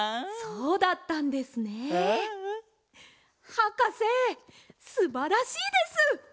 はかせすばらしいです！